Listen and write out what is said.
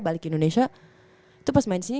balik indonesia itu pas main disini